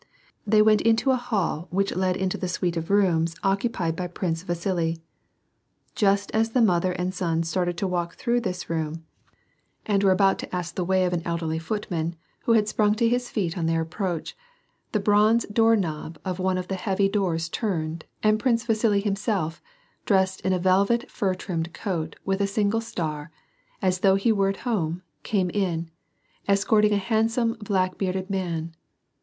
They went into a hall which led into the suite of rooms occupied by Prince Vasili. Just as the mother and son started to walk through this room, and were about to ask the * In the original she calls him the pet name golubohik. WAR AND PEACE. 67 way of an elderly footman, who had sprung to his feet on their approach, the bronze door knob of one of the heavy doors turned, and Prince Vasili himself, dressed in a velvet fur trimmed coat with a single star, as though he were at home, came in, escorting a handsome, black bearded man.